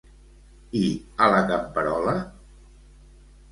I a la camperola?